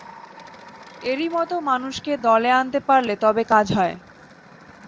এরই মতো মানুষকে দলে আনতে পারলে তবে কাজ হয়।